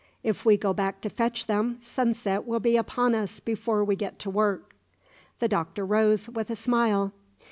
If we go back to fetch them, sunset will be upon us before we get to work." The Doctor rose, with a smile.